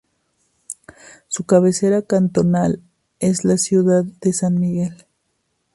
Su cabecera cantonal es la ciudad de San Miguel.